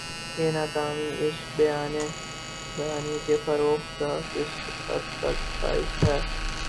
یہ ناکامی اس بیانیے کے فروغ کا کس حد تک باعث ہے؟